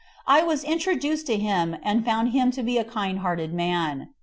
I was introduced to him, and found him to be a kind hearted man.